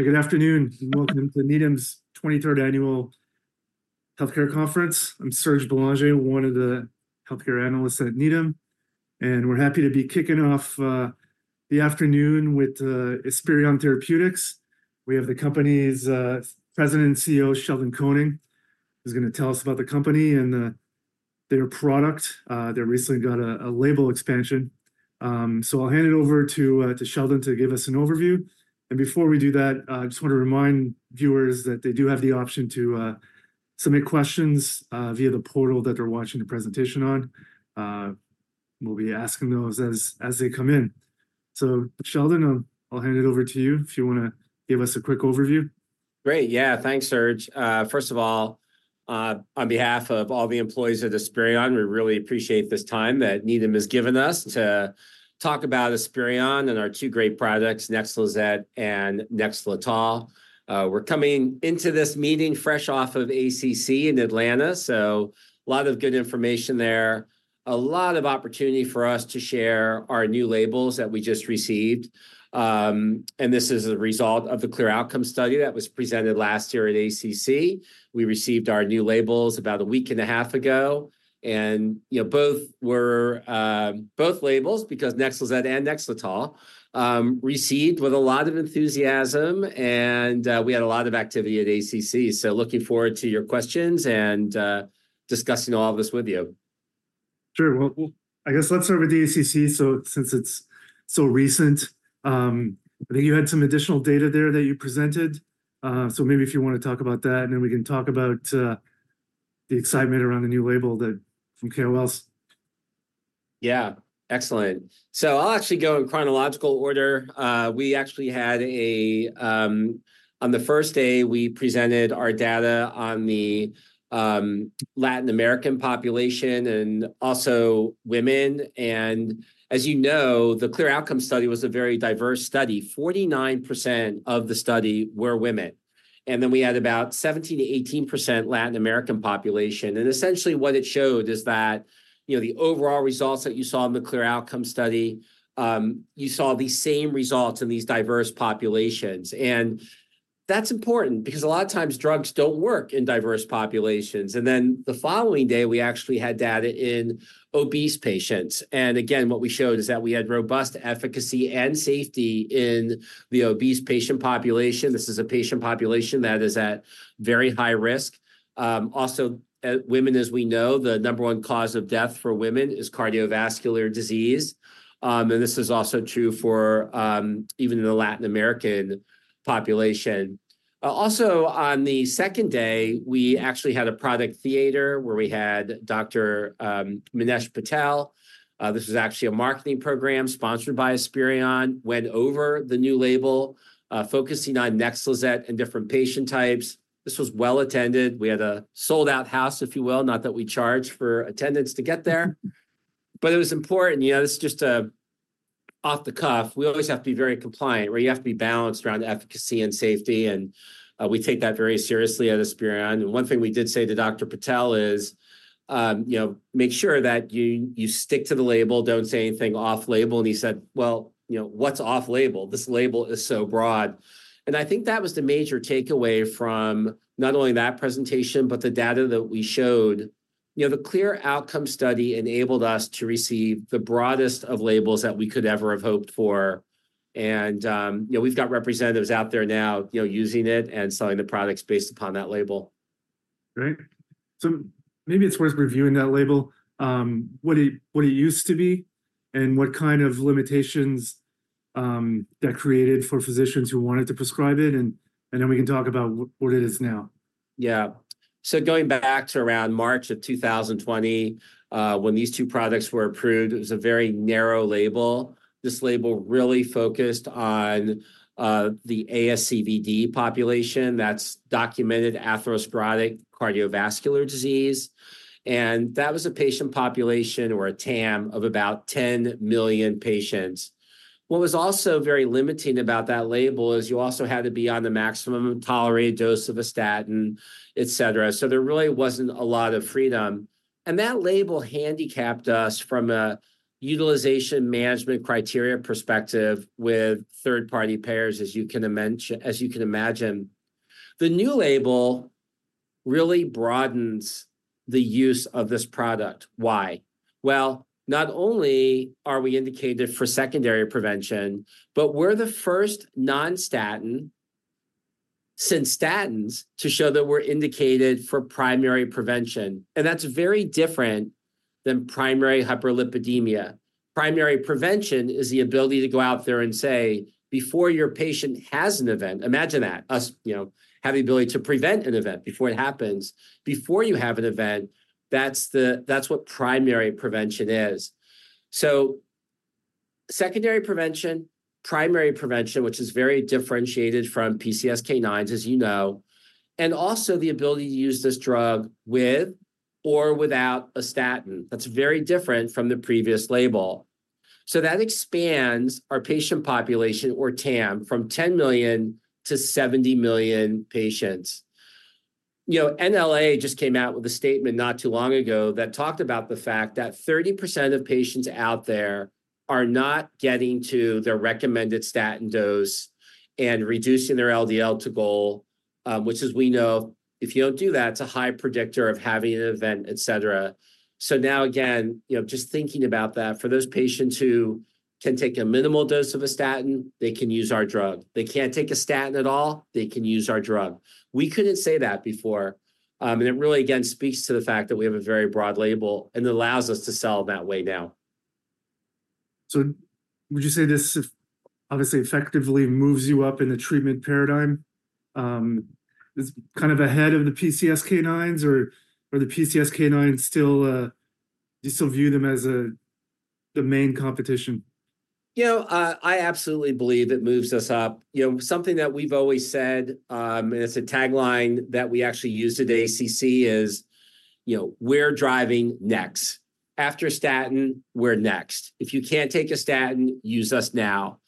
Good afternoon and welcome to Needham's 23rd Annual Healthcare Conference. I'm Serge Belanger, one of the healthcare analysts at Needham, and we're happy to be kicking off the afternoon with Esperion Therapeutics. We have the company's president and CEO, Sheldon Koenig, who's going to tell us about the company and their product. They recently got a label expansion. So I'll hand it over to Sheldon to give us an overview. And before we do that, I just want to remind viewers that they do have the option to submit questions via the portal that they're watching the presentation on. We'll be asking those as they come in. So, Sheldon, I'll hand it over to you if you want to give us a quick overview. Great. Yeah, thanks, Serge. First of all, on behalf of all the employees at Esperion, we really appreciate this time that Needham has given us to talk about Esperion and our two great products, NEXLIZET and NEXLETOL. We're coming into this meeting fresh off of ACC in Atlanta, so a lot of good information there, a lot of opportunity for us to share our new labels that we just received. This is a result of the CLEAR Outcomes study that was presented last year at ACC. We received our new labels about a week and a half ago, and, you know, both were, both labels, because NEXLIZET and NEXLETOL, received with a lot of enthusiasm, and, we had a lot of activity at ACC. So looking forward to your questions and, discussing all of this with you. Sure. Well, we'll, I guess let's start with the ACC. So since it's so recent, I think you had some additional data there that you presented. So maybe if you want to talk about that, and then we can talk about the excitement around the new label that from KOLs. Yeah, excellent. So I'll actually go in chronological order. We actually had a, on the first day, we presented our data on the Latin American population and also women. And as you know, the CLEAR Outcomes study was a very diverse study. 49% of the study were women. And then we had about 17%-18% Latin American population. And essentially what it showed is that, you know, the overall results that you saw in the CLEAR Outcomes study, you saw the same results in these diverse populations. And that's important because a lot of times drugs don't work in diverse populations. And then the following day, we actually had data in obese patients. And again, what we showed is that we had robust efficacy and safety in the obese patient population. This is a patient population that is at very high risk. Also, women, as we know, the number one cause of death for women is cardiovascular disease. This is also true for, even in the Latin American population. Also on the second day, we actually had a product theater where we had Dr. Manesh Patel. This was actually a marketing program sponsored by Esperion, went over the new label, focusing on NEXLIZET and different patient types. This was well attended. We had a sold-out house, if you will, not that we charged for attendance to get there. But it was important, you know, this is just a off-the-cuff. We always have to be very compliant, right? You have to be balanced around efficacy and safety, and, we take that very seriously at Esperion. One thing we did say to Dr. Patel is, you know, make sure that you, you stick to the label, don't say anything off-label. And he said, well, you know, what's off-label? This label is so broad. And I think that was the major takeaway from not only that presentation, but the data that we showed. You know, the CLEAR Outcomes study enabled us to receive the broadest of labels that we could ever have hoped for. And, you know, we've got representatives out there now, you know, using it and selling the products based upon that label. Great. So maybe it's worth reviewing that label, what it used to be, and what kind of limitations that created for physicians who wanted to prescribe it. And then we can talk about what it is now. Yeah. So going back to around March of 2020, when these two products were approved, it was a very narrow label. This label really focused on the ASCVD population. That's documented atherosclerotic cardiovascular disease. And that was a patient population, or a TAM, of about 10 million patients. What was also very limiting about that label is you also had to be on the maximum tolerated dose of a statin, etc. So there really wasn't a lot of freedom. And that label handicapped us from a utilization management criteria perspective with third-party payers, as you can imagine. The new label really broadens the use of this product. Why? Well, not only are we indicated for secondary prevention, but we're the first non-statin, since statins, to show that we're indicated for primary prevention. And that's very different than primary hyperlipidemia. Primary prevention is the ability to go out there and say, before your patient has an event, imagine that, us, you know, have the ability to prevent an event before it happens, before you have an event, that's the, that's what primary prevention is. So secondary prevention, primary prevention, which is very differentiated from PCSK9s, as you know, and also the ability to use this drug with or without a statin. That's very different from the previous label. So that expands our patient population, or TAM, from 10 million to 70 million patients. You know, NLA just came out with a statement not too long ago that talked about the fact that 30% of patients out there are not getting to their recommended statin dose and reducing their LDL to goal, which as we know, if you don't do that, it's a high predictor of having an event, etc. So now again, you know, just thinking about that, for those patients who can take a minimal dose of a statin, they can use our drug. They can't take a statin at all, they can use our drug. We couldn't say that before. It really, again, speaks to the fact that we have a very broad label and allows us to sell that way now. Would you say this obviously effectively moves you up in the treatment paradigm? It's kind of ahead of the PCSK9s, or are the PCSK9s still, do you still view them as the main competition? You know, I absolutely believe it moves us up. You know, something that we've always said, and it's a tagline that we actually use at ACC is, you know, we're driving next. After statin, we're next. If you can't take a statin, use us now.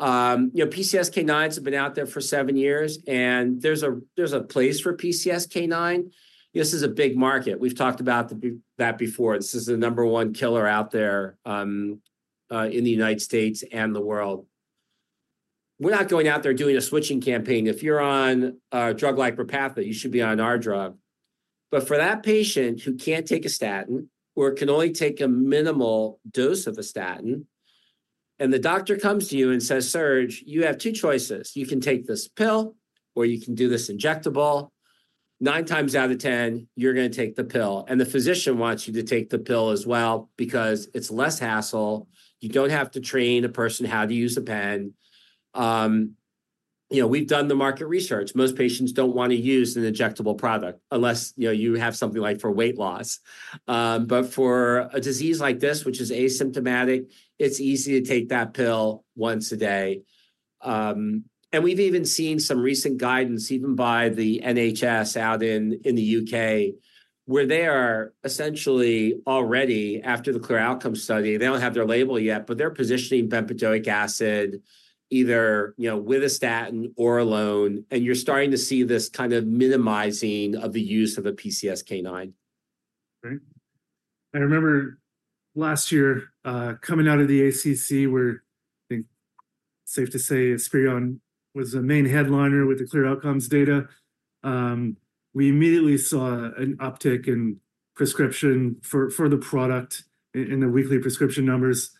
You know, PCSK9s have been out there for 7 years, and there's a, there's a place for PCSK9. This is a big market. We've talked about that before. This is the number one killer out there, in the United States and the world. We're not going out there doing a switching campaign. If you're on a drug like Repatha, you should be on our drug. But for that patient who can't take a statin, or can only take a minimal dose of a statin, and the doctor comes to you and says, "Serge, you have 2 choices. You can take this pill, or you can do this injectable. Nine times out of ten, you're going to take the pill. And the physician wants you to take the pill as well because it's less hassle. You don't have to train a person how to use a pen. You know, we've done the market research. Most patients don't want to use an injectable product unless, you know, you have something like for weight loss. But for a disease like this, which is asymptomatic, it's easy to take that pill once a day. We've even seen some recent guidance, even by the NHS out in the UK, where they are essentially already, after the CLEAR Outcomes study, they don't have their label yet, but they're positioning bempedoic acid either, you know, with a statin or alone, and you're starting to see this kind of minimizing of the use of a PCSK9. Great. I remember last year, coming out of the ACC where, I think, safe to say Esperion was the main headliner with the CLEAR Outcomes data. We immediately saw an uptick in prescriptions for the product in the weekly prescription numbers.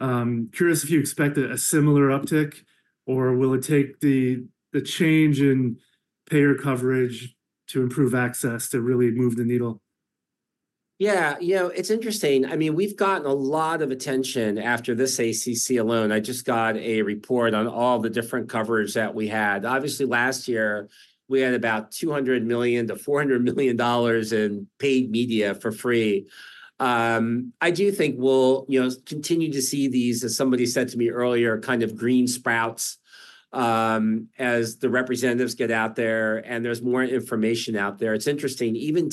Curious if you expect a similar uptick, or will it take the change in payer coverage to improve access to really move the needle? Yeah, you know, it's interesting. I mean, we've gotten a lot of attention after this ACC alone. I just got a report on all the different coverage that we had. Obviously, last year, we had about $200 million-$400 million in paid media for free. I do think we'll, you know, continue to see these, as somebody said to me earlier, kind of green sprouts. As the representatives get out there and there's more information out there. It's interesting, even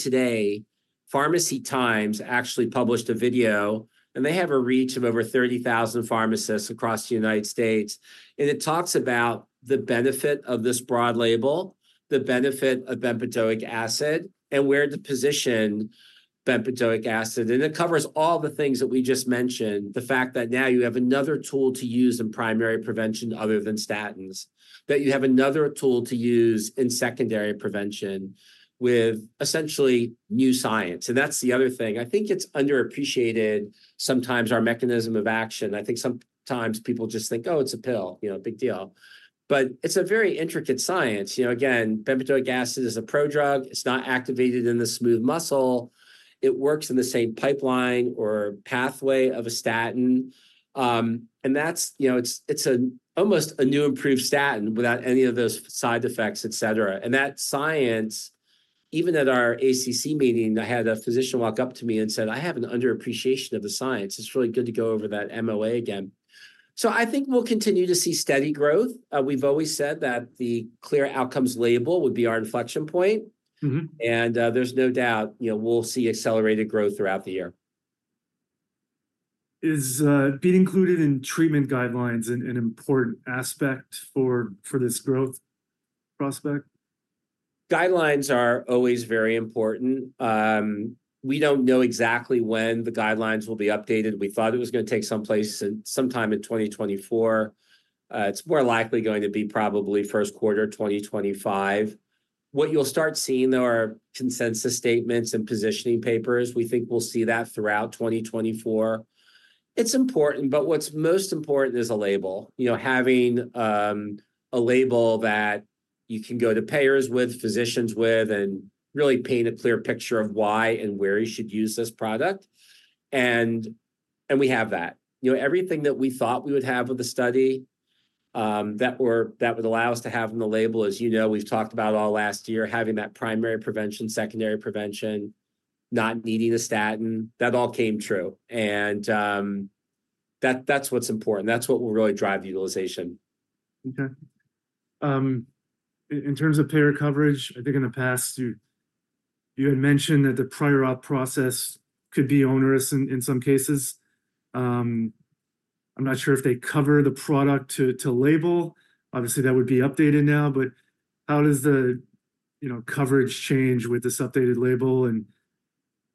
today, Pharmacy Times actually published a video, and they have a reach of over 30,000 pharmacists across the United States. And it talks about the benefit of this broad label, the benefit of bempedoic acid, and where to position bempedoic acid. And it covers all the things that we just mentioned, the fact that now you have another tool to use in primary prevention other than statins, that you have another tool to use in secondary prevention with essentially new science. And that's the other thing. I think it's underappreciated sometimes our mechanism of action. I think sometimes people just think, "Oh, it's a pill, you know, big deal." But it's a very intricate science. You know, again, bempedoic acid is a pro-drug. It's not activated in the smooth muscle. It works in the same pipeline or pathway of a statin. And that's, you know, it's, it's an almost a new improved statin without any of those side effects, etc. And that science, even at our ACC meeting, I had a physician walk up to me and said, "I have an underappreciation of the science. It's really good to go over that MOA again." So I think we'll continue to see steady growth. We've always said that the CLEAR Outcomes label would be our inflection point. Mm-hmm. There's no doubt, you know, we'll see accelerated growth throughout the year. Is being included in treatment guidelines an important aspect for this growth prospect? Guidelines are always very important. We don't know exactly when the guidelines will be updated. We thought it was going to take place sometime in 2024. It's more likely going to be probably first quarter 2025. What you'll start seeing, though, are consensus statements and positioning papers. We think we'll see that throughout 2024. It's important, but what's most important is a label, you know, having a label that you can go to payers with, physicians with, and really paint a clear picture of why and where you should use this product. And we have that. You know, everything that we thought we would have with the study, that would allow us to have in the label, as you know, we've talked about all last year, having that primary prevention, secondary prevention, not needing a statin, that all came true. And that's what's important. That's what will really drive utilization. Okay. In terms of payer coverage, I think in the past you had mentioned that the prior op process could be onerous in some cases. I'm not sure if they cover the product to label. Obviously, that would be updated now, but how does the, you know, coverage change with this updated label and,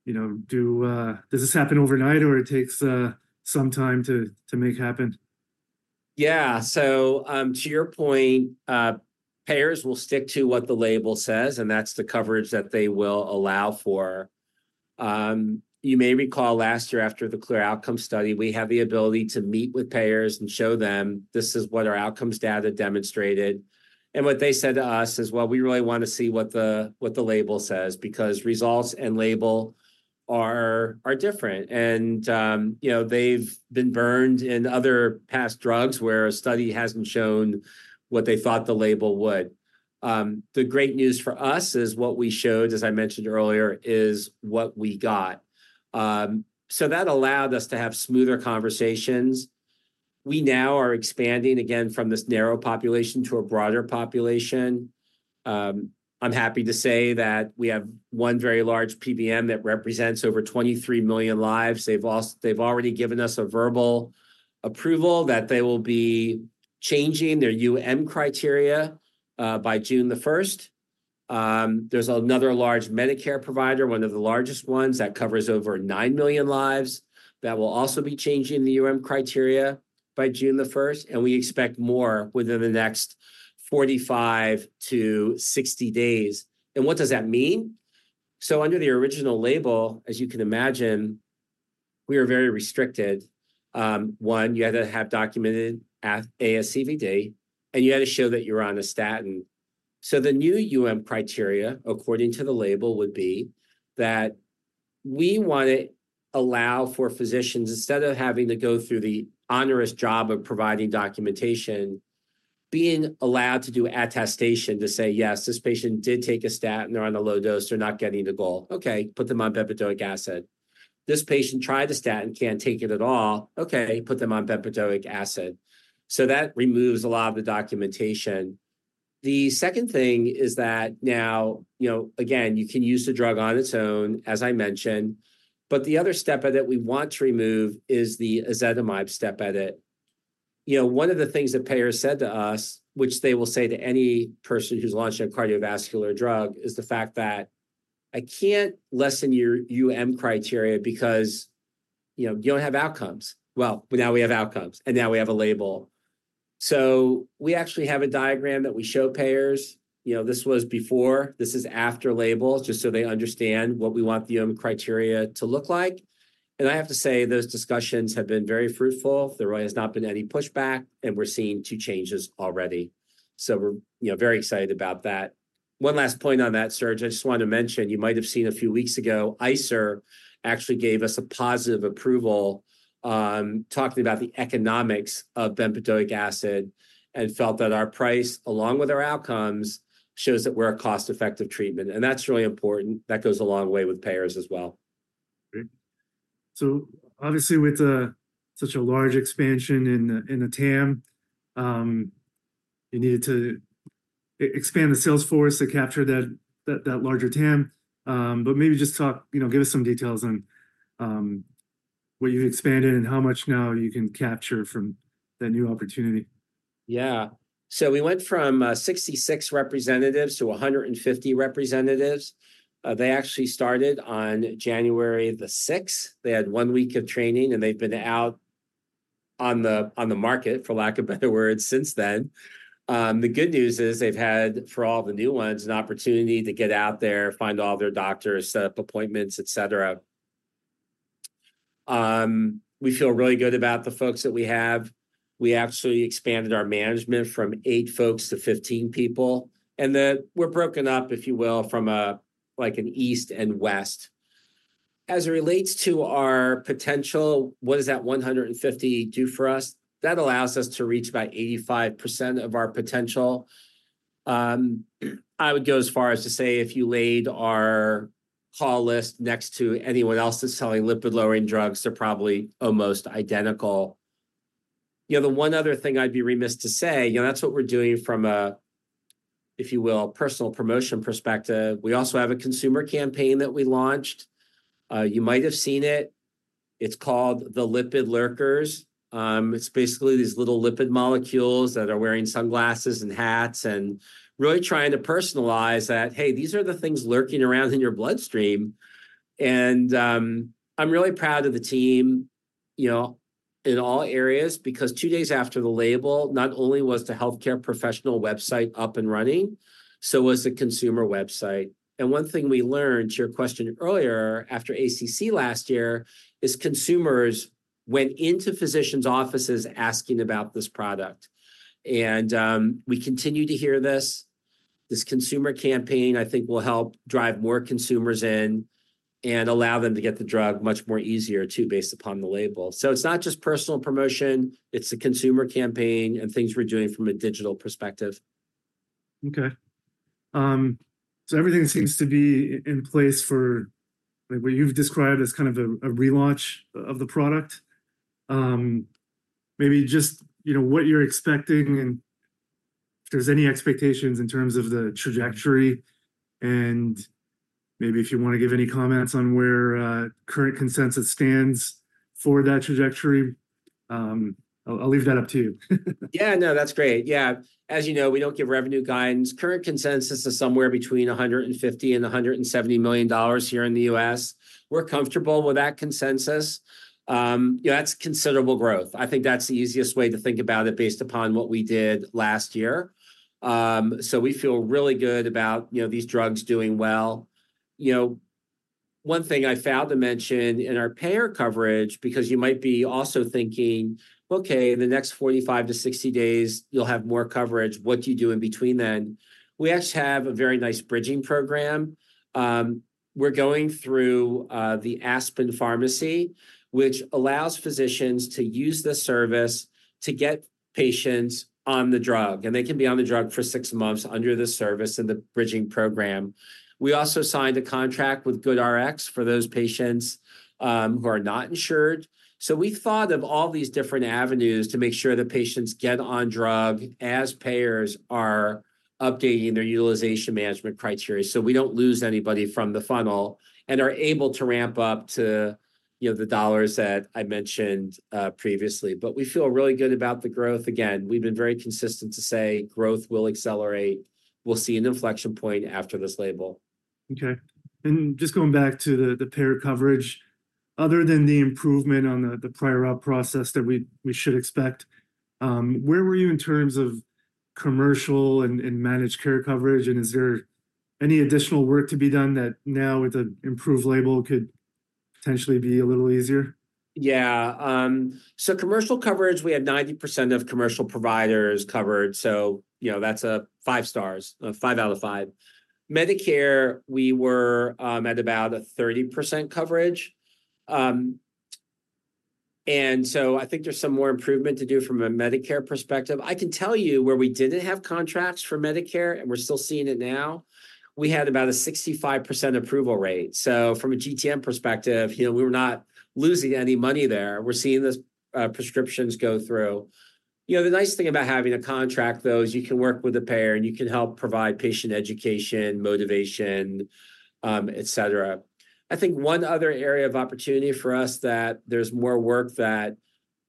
you know, does this happen overnight or it takes some time to make happen? Yeah, so, to your point, payers will stick to what the label says, and that's the coverage that they will allow for. You may recall last year after the CLEAR Outcomes study, we had the ability to meet with payers and show them, "This is what our outcomes data demonstrated." And what they said to us is, "Well, we really want to see what the, what the label says because results and label are, are different." And, you know, they've been burned in other past drugs where a study hasn't shown what they thought the label would. The great news for us is what we showed, as I mentioned earlier, is what we got. So that allowed us to have smoother conversations. We now are expanding again from this narrow population to a broader population. I'm happy to say that we have one very large PBM that represents over 23 million lives. They've already given us a verbal approval that they will be changing their criteria by June 1st. There's another large Medicare provider, one of the largest ones that covers over 9 million lives, that will also be changing the criteria by June 1st, and we expect more within the next 45-60 days. What does that mean? Under the original label, as you can imagine, we were very restricted. One, you had to have documented ASCVD, and you had to show that you're on a statin. The new criteria, according to the label, would be that we want to allow for physicians, instead of having to go through the onerous job of providing documentation, being allowed to do attestation to say, "Yes, this patient did take a statin. They're on a low dose. They're not getting to goal. Okay, put them on bempedoic acid." This patient tried a statin, can't take it at all. Okay, put them on bempedoic acid. So that removes a lot of the documentation. The second thing is that now, you know, again, you can use the drug on its own, as I mentioned. But the other step edit we want to remove is the ezetimibe step edit. You know, one of the things that payers said to us, which they will say to any person who's launching a cardiovascular drug, is the fact that I can't lessen your criteria because, you know, you don't have outcomes. Well, now we have outcomes, and now we have a label. So we actually have a diagram that we show payers. You know, this was before. This is after label, just so they understand what we want the criteria to look like. And I have to say those discussions have been very fruitful. There really has not been any pushback, and we're seeing two changes already. So we're, you know, very excited about that. One last point on that, Serge, I just wanted to mention, you might have seen a few weeks ago, ICER actually gave us a positive approval, talking about the economics of bempedoic acid and felt that our price, along with our outcomes, shows that we're a cost-effective treatment. And that's really important. That goes a long way with payers as well. Great. So obviously with such a large expansion in the TAM, you needed to expand the sales force to capture that larger TAM. But maybe just talk, you know, give us some details on what you've expanded and how much now you can capture from that new opportunity. Yeah. So we went from 66 representatives to 150 representatives. They actually started on January the 6th. They had one week of training, and they've been out on the market, for lack of better words, since then. The good news is they've had, for all the new ones, an opportunity to get out there, find all their doctors, set up appointments, etc. We feel really good about the folks that we have. We actually expanded our management from eight folks to 15 people, and that we're broken up, if you will, from a, like an east and west. As it relates to our potential, what does that 150 do for us? That allows us to reach about 85% of our potential. I would go as far as to say if you laid our call list next to anyone else that's selling lipid-lowering drugs, they're probably almost identical. You know, the one other thing I'd be remiss to say, you know, that's what we're doing from a, if you will, personal promotion perspective. We also have a consumer campaign that we launched. You might have seen it. It's called the Lipid Lurkers. It's basically these little lipid molecules that are wearing sunglasses and hats and really trying to personalize that, "Hey, these are the things lurking around in your bloodstream." And, I'm really proud of the team, you know, in all areas because two days after the label, not only was the healthcare professional website up and running, so was the consumer website. And one thing we learned to your question earlier after ACC last year is consumers went into physicians' offices asking about this product. And, we continue to hear this. This consumer campaign, I think, will help drive more consumers in and allow them to get the drug much more easier too, based upon the label. So it's not just personal promotion. It's a consumer campaign and things we're doing from a digital perspective. Okay. So everything seems to be in place for, like, what you've described as kind of a relaunch of the product. Maybe just, you know, what you're expecting and if there's any expectations in terms of the trajectory and maybe if you want to give any comments on where current consensus stands for that trajectory. I'll leave that up to you. Yeah, no, that's great. Yeah. As you know, we don't give revenue guidance. Current consensus is somewhere between $150 million and $170 million here in the U.S. We're comfortable with that consensus. You know, that's considerable growth. I think that's the easiest way to think about it based upon what we did last year. We feel really good about, you know, these drugs doing well. You know, one thing I want to mention in our payer coverage, because you might be also thinking, "Okay, in the next 45-60 days, you'll have more coverage. What do you do in between then?" We actually have a very nice bridging program. We're going through the Aspen Pharmacy, which allows physicians to use the service to get patients on the drug, and they can be on the drug for six months under the service and the bridging program. We also signed a contract with GoodRx for those patients who are not insured. So we thought of all these different avenues to make sure that patients get on drug as payers are updating their utilization management criteria so we don't lose anybody from the funnel and are able to ramp up to, you know, the dollars that I mentioned previously. But we feel really good about the growth. Again, we've been very consistent to say growth will accelerate. We'll see an inflection point after this label. Okay. And just going back to the payer coverage, other than the improvement on the prior auth process that we should expect, where were you in terms of commercial and managed care coverage? And is there any additional work to be done that now with an improved label could potentially be a little easier? Yeah. So commercial coverage, we had 90% of commercial providers covered. So, you know, that's five stars, a five out of five. Medicare, we were at about a 30% coverage. And so I think there's some more improvement to do from a Medicare perspective. I can tell you where we didn't have contracts for Medicare, and we're still seeing it now. We had about a 65% approval rate. So from a GTM perspective, you know, we were not losing any money there. We're seeing these prescriptions go through. You know, the nice thing about having a contract, though, is you can work with a payer and you can help provide patient education, motivation, etc. I think one other area of opportunity for us that there's more work that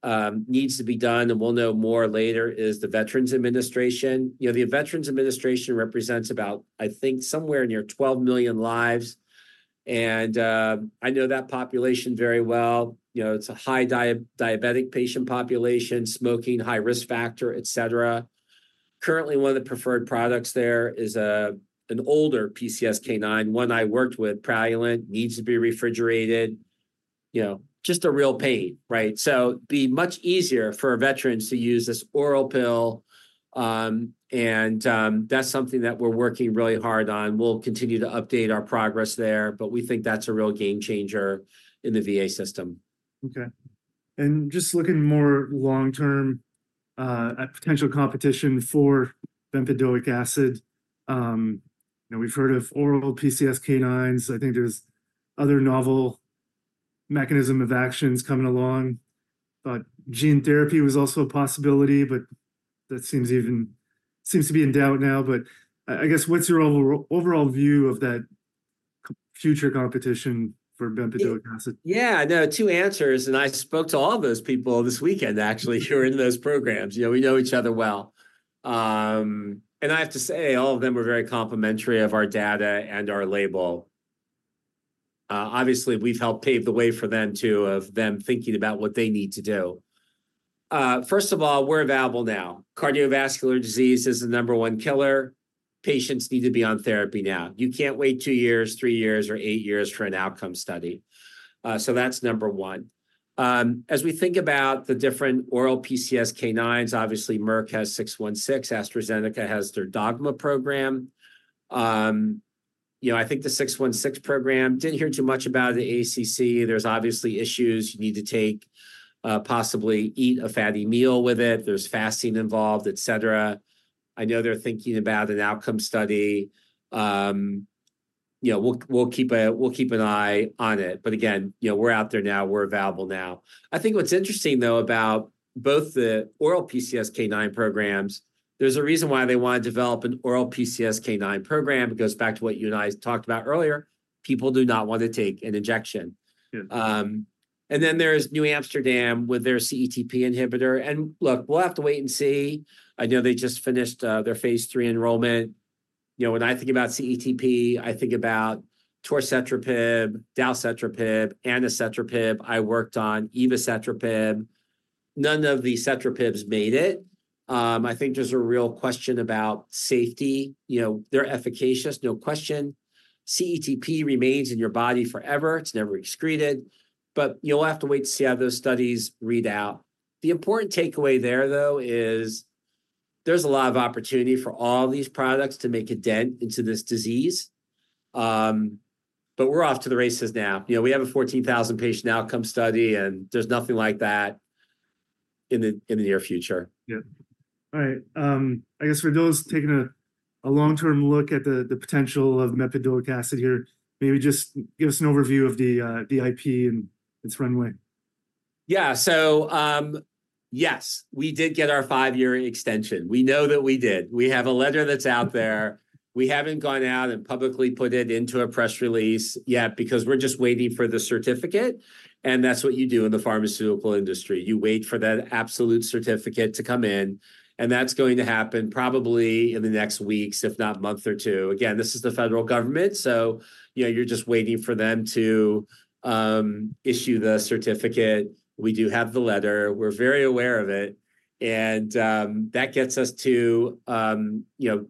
needs to be done and we'll know more later is the Veterans Administration. You know, the Veterans Administration represents about, I think, somewhere near 12 million lives. I know that population very well. You know, it's a high diabetic patient population, smoking, high risk factor, etc. Currently, one of the preferred products there is an older PCSK9. One I worked with, Praluent, needs to be refrigerated. You know, just a real pain, right? So be much easier for a veteran to use this oral pill. And that's something that we're working really hard on. We'll continue to update our progress there, but we think that's a real game changer in the VA system. Okay. And just looking more long-term, at potential competition for bempedoic acid. You know, we've heard of oral PCSK9s. I think there's other novel mechanisms of actions coming along. Thought gene therapy was also a possibility, but that seems even to be in doubt now. But I guess what's your overall view of that future competition for bempedoic acid? Yeah, no, two answers. And I spoke to all those people this weekend, actually, who were in those programs. You know, we know each other well. And I have to say all of them were very complimentary of our data and our label. Obviously, we've helped pave the way for them too, of them thinking about what they need to do. First of all, we're available now. Cardiovascular disease is the number one killer. Patients need to be on therapy now. You can't wait two years, three years, or eight years for an outcome study. So that's number one. As we think about the different oral PCSK9s, obviously, Merck has 616. AstraZeneca has their Dogma program. You know, I think the 616 program, didn't hear too much about it at ACC. There's obviously issues. You need to take, possibly eat a fatty meal with it. There's fasting involved, etc. I know they're thinking about an outcome study. You know, we'll keep an eye on it. But again, you know, we're out there now. We're available now. I think what's interesting, though, about both the oral PCSK9 programs, there's a reason why they want to develop an oral PCSK9 program. It goes back to what you and I talked about earlier. People do not want to take an injection. And then there's NewAmsterdam with their CETP inhibitor. And look, we'll have to wait and see. I know they just finished their phase III enrollment. You know, when I think about CETP, I think about torcetrapib, dalcetrapib, anacetrapib. I worked on evacetrapib. None of the cetrapibs made it. I think there's a real question about safety. You know, they're efficacious, no question. CETP remains in your body forever. It's never excreted. But you'll have to wait to see how those studies read out. The important takeaway there, though, is there's a lot of opportunity for all these products to make a dent into this disease. But we're off to the races now. You know, we have a 14,000 patient outcome study, and there's nothing like that in the near future. Yeah. All right. I guess for those taking a long-term look at the potential of bempedoic acid here, maybe just give us an overview of the IP and its runway. Yeah, so, yes, we did get our five-year extension. We know that we did. We have a letter that's out there. We haven't gone out and publicly put it into a press release yet because we're just waiting for the certificate. And that's what you do in the pharmaceutical industry. You wait for that absolute certificate to come in. And that's going to happen probably in the next weeks, if not month or two. Again, this is the federal government. So, you know, you're just waiting for them to issue the certificate. We do have the letter. We're very aware of it. And that gets us to, you know,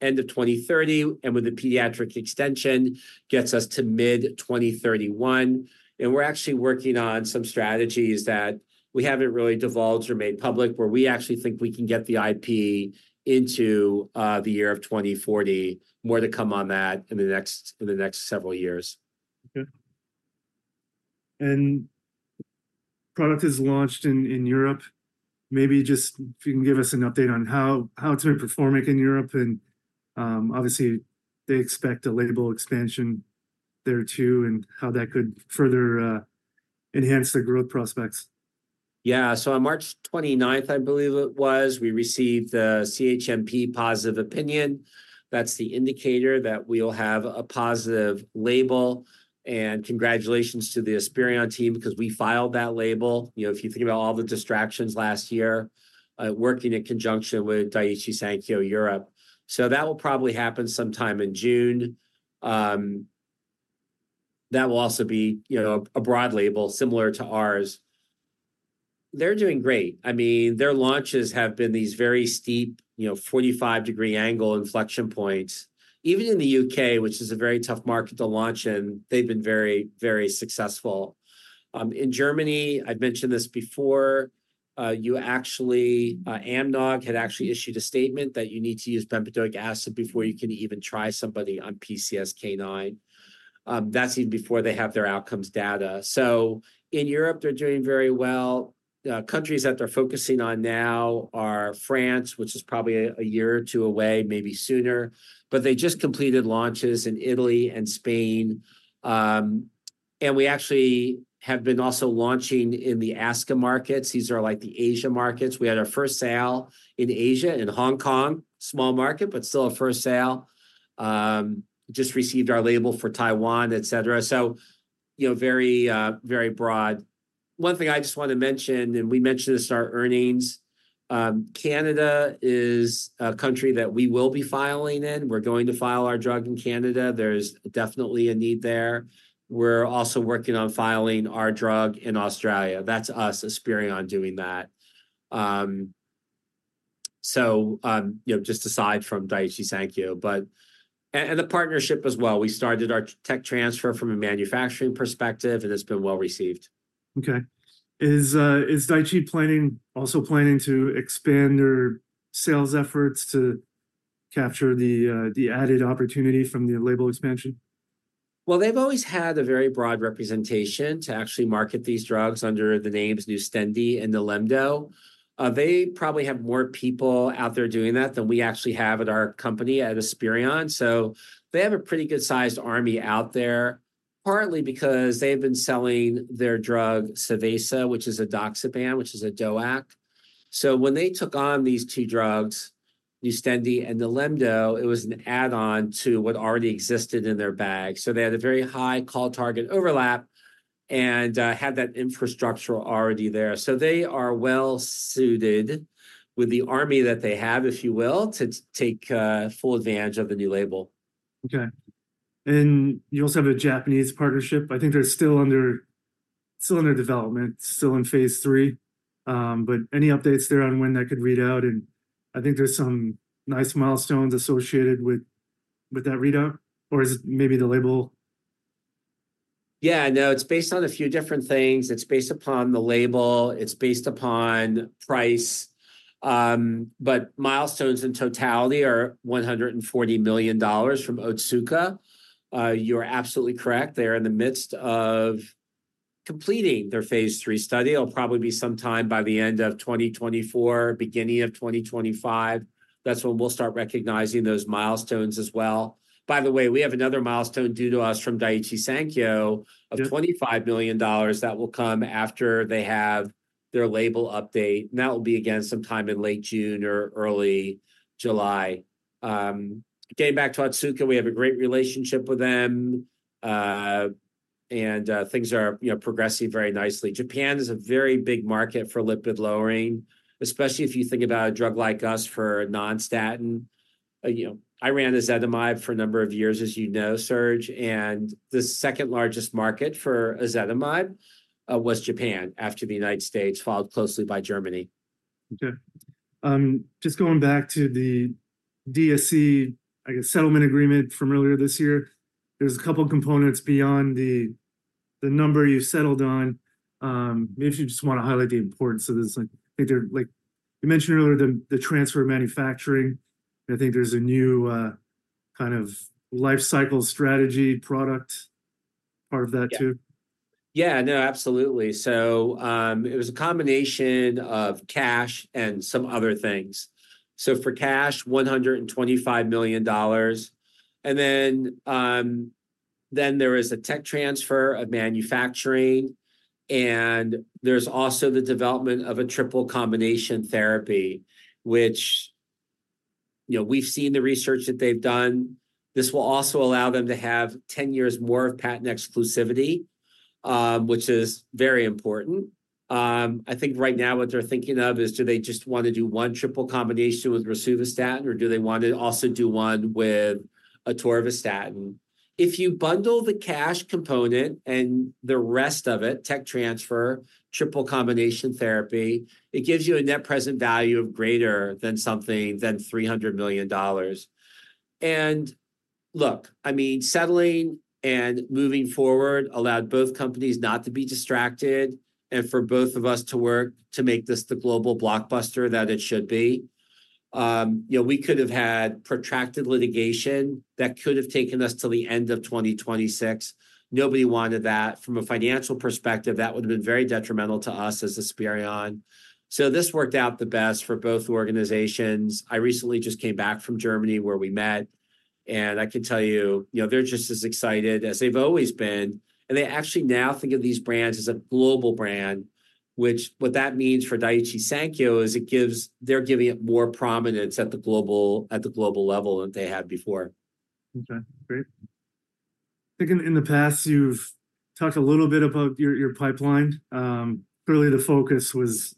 end of 2030, and with the pediatric extension, gets us to mid-2031. We're actually working on some strategies that we haven't really divulged or made public where we actually think we can get the IP into the year of 2040. More to come on that in the next several years. Okay. And product is launched in Europe. Maybe just if you can give us an update on how it's been performing in Europe and, obviously, they expect a label expansion there too and how that could further enhance the growth prospects. Yeah, so on March 29th, I believe it was, we received the CHMP positive opinion. That's the indicator that we'll have a positive label. And congratulations to the Esperion team because we filed that label. You know, if you think about all the distractions last year, working in conjunction with Daiichi Sankyo Europe. So that will probably happen sometime in June. That will also be, you know, a broad label similar to ours. They're doing great. I mean, their launches have been these very steep, you know, 45-degree angle inflection points. Even in the U.K., which is a very tough market to launch in, they've been very, very successful. In Germany, I've mentioned this before, you actually, AMNOG had actually issued a statement that you need to use bempedoic acid before you can even try somebody on PCSK9. That's even before they have their outcomes data. So in Europe, they're doing very well. Countries that they're focusing on now are France, which is probably a year or two away, maybe sooner. But they just completed launches in Italy and Spain. We actually have been also launching in the ASEAN markets. These are like the Asia markets. We had our first sale in Asia in Hong Kong, small market, but still a first sale. Just received our label for Taiwan, etc. So, you know, very, very broad. One thing I just want to mention, and we mentioned this in our earnings. Canada is a country that we will be filing in. We're going to file our drug in Canada. There's definitely a need there. We're also working on filing our drug in Australia. That's us, Esperion, doing that. So, you know, just aside from Daiichi Sankyo, but, and the partnership as well. We started our tech transfer from a manufacturing perspective, and it's been well received. Okay. Is Daiichi also planning to expand their sales efforts to capture the added opportunity from the label expansion? Well, they've always had a very broad representation to actually market these drugs under the names Nustendi and Nilemdo. They probably have more people out there doing that than we actually have at our company at Esperion. So they have a pretty good-sized army out there. Partly because they've been selling their drug Savaysa, which is an edoxaban, which is a DOAC. So when they took on these two drugs, Nustendi and Nilemdo, it was an add-on to what already existed in their bag. So they had a very high call target overlap and had that infrastructure already there. So they are well suited with the army that they have, if you will, to take full advantage of the new label. Okay. And you also have a Japanese partnership. I think they're still under development, still in phase three. But any updates there on when that could read out? And I think there's some nice milestones associated with that readout, or is it maybe the label? Yeah, no, it's based on a few different things. It's based upon the label. It's based upon price. But milestones in totality are $140 million from Otsuka. You're absolutely correct. They're in the midst of completing their phase III study. It'll probably be sometime by the end of 2024, beginning of 2025. That's when we'll start recognizing those milestones as well. By the way, we have another milestone due to us from Daiichi Sankyo of $25 million that will come after they have their label update. And that will be again sometime in late June or early July. Getting back to Otsuka, we have a great relationship with them. And, things are, you know, progressing very nicely. Japan is a very big market for lipid lowering, especially if you think about a drug like us for non-statin. You know, I ran ezetimibe for a number of years, as you know, Serge, and the second largest market for ezetimibe was Japan after the United States, followed closely by Germany. Okay. Just going back to the Dr. Reddy's, I guess, settlement agreement from earlier this year. There's a couple of components beyond the number you settled on. Maybe if you just want to highlight the importance of this, I think they're like, you mentioned earlier the transfer of manufacturing. And I think there's a new, kind of life cycle strategy product part of that too. Yeah, no, absolutely. So, it was a combination of cash and some other things. So for cash, $125 million. And then there is a tech transfer of manufacturing. And there's also the development of a triple combination therapy, which, you know, we've seen the research that they've done. This will also allow them to have 10 years more of patent exclusivity, which is very important. I think right now what they're thinking of is do they just want to do one triple combination with rosuvastatin, or do they want to also do one with atorvastatin? If you bundle the cash component and the rest of it, tech transfer, triple combination therapy, it gives you a net present value of greater than something than $300 million. And look, I mean, settling and moving forward allowed both companies not to be distracted and for both of us to work to make this the global blockbuster that it should be. You know, we could have had protracted litigation that could have taken us to the end of 2026. Nobody wanted that. From a financial perspective, that would have been very detrimental to us as Esperion. So this worked out the best for both organizations. I recently just came back from Germany where we met. And I can tell you, you know, they're just as excited as they've always been. And they actually now think of these brands as a global brand, which what that means for Daiichi Sankyo is it gives they're giving it more prominence at the global at the global level than they had before. Okay, great. I think in the past you've talked a little bit about your your pipeline. Clearly the focus was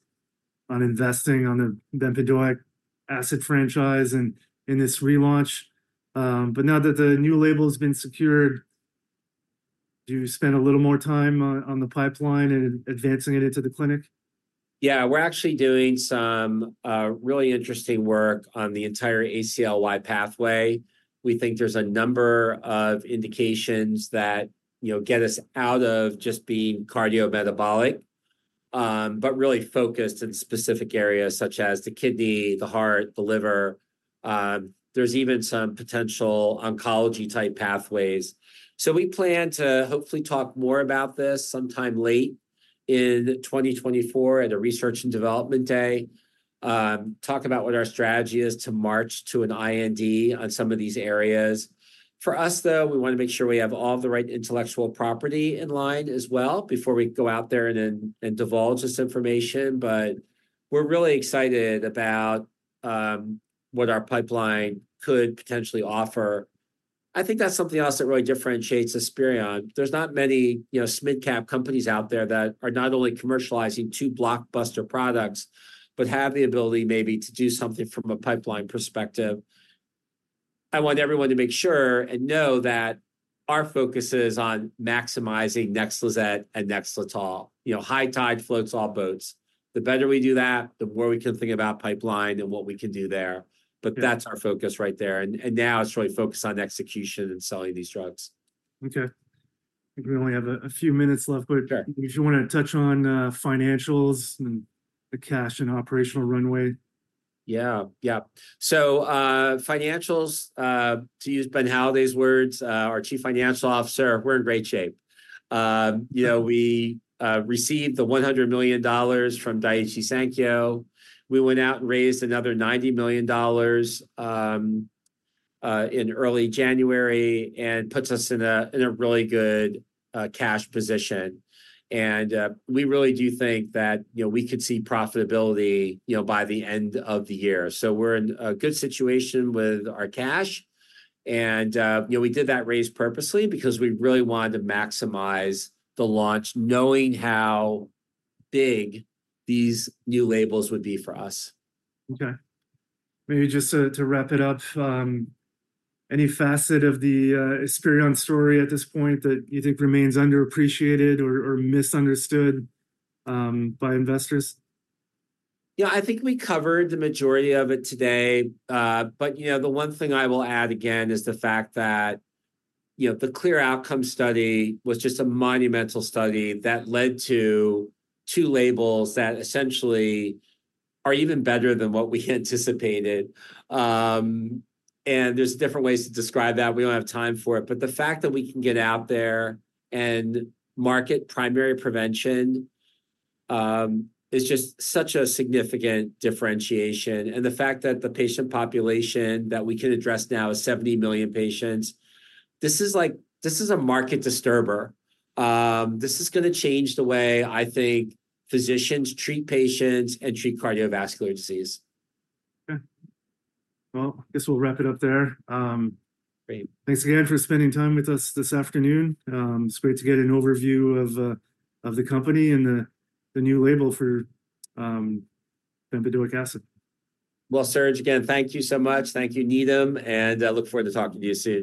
on investing on the bempedoic acid franchise and in this relaunch. But now that the new label has been secured, do you spend a little more time on on the pipeline and advancing it into the clinic? Yeah, we're actually doing some really interesting work on the entire ACLY pathway. We think there's a number of indications that, you know, get us out of just being cardiometabolic. But really focused in specific areas such as the kidney, the heart, the liver. There's even some potential oncology-type pathways. So we plan to hopefully talk more about this sometime late in 2024 at a research and development day. Talk about what our strategy is to march to an IND on some of these areas. For us, though, we want to make sure we have all the right intellectual property in line as well before we go out there and divulge this information, but we're really excited about what our pipeline could potentially offer. I think that's something else that really differentiates Esperion. There's not many, you know, SMID cap companies out there that are not only commercializing two blockbuster products, but have the ability maybe to do something from a pipeline perspective. I want everyone to make sure and know that our focus is on maximizing NEXLIZET and NEXLETOL, you know, high tide, floats all boats. The better we do that, the more we can think about pipeline and what we can do there. But that's our focus right there. And now it's really focused on execution and selling these drugs. Okay. I think we only have a few minutes left, but if you want to touch on, financials and the cash and operational runway. Yeah, yeah. So, financials, to use Ben Halladay's words, our Chief Financial Officer, we're in great shape. You know, we received the $100 million from Daiichi Sankyo. We went out and raised another $90 million in early January, and that puts us in a really good cash position. And, you know, we really do think that, you know, we could see profitability, you know, by the end of the year. So we're in a good situation with our cash. And, you know, we did that raise purposely because we really wanted to maximize the launch knowing how big these new labels would be for us. Okay. Maybe just to wrap it up, any facet of the Esperion story at this point that you think remains underappreciated or misunderstood by investors? Yeah, I think we covered the majority of it today. But you know, the one thing I will add again is the fact that, you know, the CLEAR Outcomes study was just a monumental study that led to two labels that essentially are even better than what we anticipated. And there's different ways to describe that. We don't have time for it. But the fact that we can get out there and market primary prevention is just such a significant differentiation. And the fact that the patient population that we can address now is 70 million patients. This is like this is a market disturber. This is going to change the way I think physicians treat patients and treat cardiovascular disease. Okay. Well, I guess we'll wrap it up there. Thanks again for spending time with us this afternoon. It's great to get an overview of the company and the new label for bempedoic acid. Well, Serge, again, thank you so much. Thank you, Needham, and I look forward to talking to you soon.